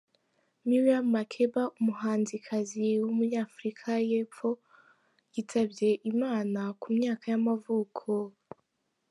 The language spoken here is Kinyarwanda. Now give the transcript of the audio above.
Miriam Makeba, umuhanzikazi w’umunya-Afurika y’epfo, yitabye Imana ku myaka y’amavuko.